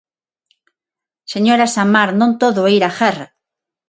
Señora Samar, non todo é ir á guerra.